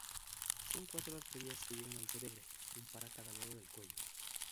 Son cuatro arterias que llegan al cerebro, un par a cada lado del cuello.